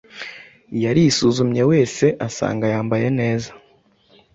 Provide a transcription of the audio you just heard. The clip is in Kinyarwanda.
Yarisuzumye wese asanga yambaye neza.